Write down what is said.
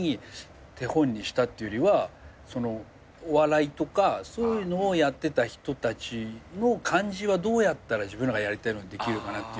手本にしたっていうよりはお笑いとかそういうのをやってた人たちの感じはどうやったら自分らがやりたいのができるかなっていう。